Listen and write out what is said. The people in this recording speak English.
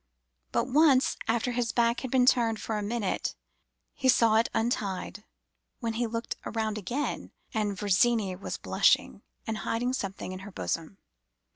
But once, after his back had been turned for a minute, he saw it untied when he looked round again, and Virginie was blushing, and hiding something in her bosom.